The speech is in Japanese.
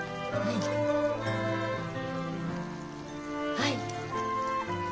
はい。